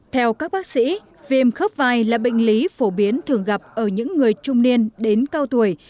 theo các bác sĩ viêm khớp vai là bệnh lý phổ biến thường gặp ở những người trung niên đến cao tuổi